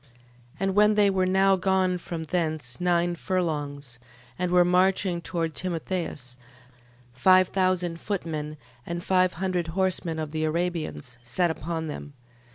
12:10. And when they were now gone from thence nine furlongs, and were marching towards Timotheus, five thousand footmen, and five hundred horsemen of the Arabians, set upon them.